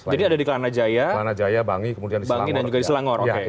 jadi ada di kelana jaya bangi kemudian di selangor